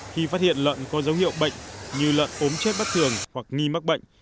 khi phát hiện lợn có dấu hiệu bệnh như lợn ốm chết bất thường hoặc nghi mắc bệnh